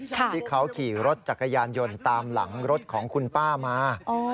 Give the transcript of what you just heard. ที่เขาขี่รถจักรยานยนต์ตามหลังรถของคุณป้ามา